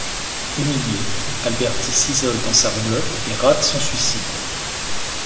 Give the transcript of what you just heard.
Humilié, Alberti s'isole dans sa roulotte et rate son suicide.